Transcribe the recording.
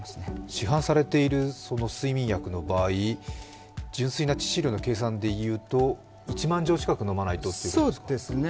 市販されている睡眠薬の場合純粋な致死量の計算でいうと１万錠近く飲まないとということですか？